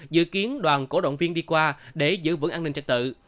dự kiến đoàn cổ động viên đi qua để giữ vững an ninh trật tự